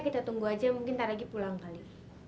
kita tunggu aja mungkin ntar lagi pulang kali